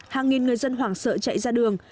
hàng nghìn người dân hoảng sợ chạy ra đường